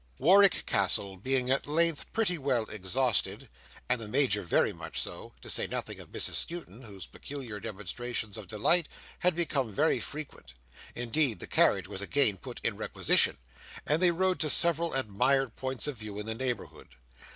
Warwick Castle being at length pretty well exhausted, and the Major very much so: to say nothing of Mrs Skewton, whose peculiar demonstrations of delight had become very frequent Indeed: the carriage was again put in requisition, and they rode to several admired points of view in the neighbourhood.